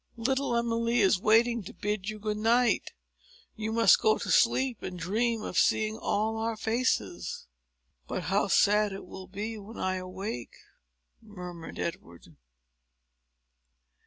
little Emily is waiting to bid you good night. You must go to sleep, and dream of seeing all our faces." "But how sad it will be, when I awake!" murmured Edward.